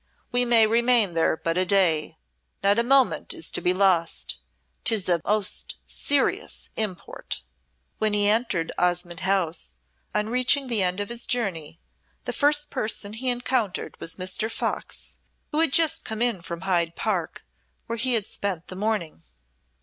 "We may remain there but a day. Not a moment is to be lost. 'Tis of most serious import." When he entered Osmonde House, on reaching the end of his journey, the first person he encountered was Mr. Fox, who had just come in from Hyde Park, where he had spent the morning.